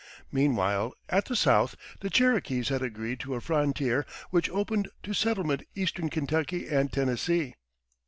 Meanwhile, at the South, the Cherokees had agreed to a frontier which opened to settlement eastern Kentucky and Tennessee.